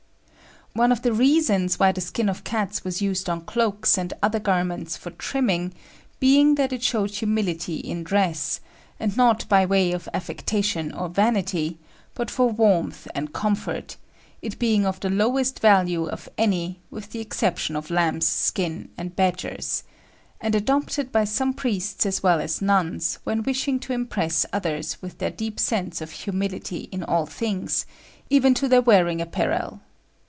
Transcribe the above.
One of the reasons why the skin of cats was used on cloaks and other garments for trimming, being that it showed humility in dress, and not by way of affectation or vanity, but for warmth and comfort, it being of the lowest value of any, with the exception of lambs' skin and badgers'; and adopted by some priests as well as nuns, when wishing to impress others with their deep sense of humility in all things, even to their wearing apparel.